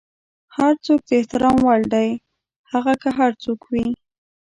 هر څوک د احترام وړ دی، هغه که هر څوک وي.